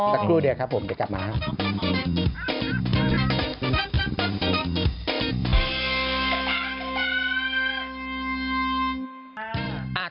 สักครู่เดียวครับผมเดี๋ยวกลับมาครับ